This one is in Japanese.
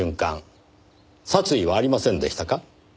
殺意はありませんでしたか？